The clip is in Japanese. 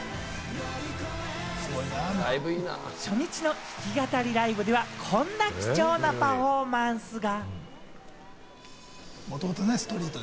初日の弾き語りライブでは、こんな貴重なパフォーマンスが。